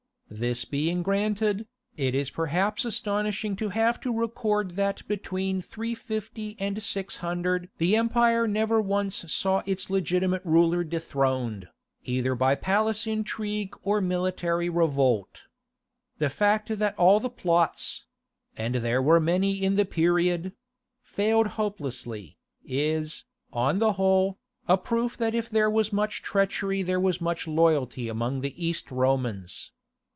This being granted, it is perhaps astonishing to have to record that between 350 and 600 the empire never once saw its legitimate ruler dethroned, either by palace intrigue or military revolt. The fact that all the plots—and there were many in the period—failed hopelessly, is, on the whole, a proof that if there was much treachery there was much loyalty among the East Romans.